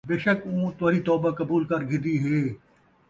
بیشک اُوں تُہاݙی توبہ قبول کر گِھدی ہے،